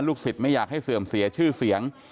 สิทธิ์ไม่อยากให้เสื่อมเสียชื่อเสียง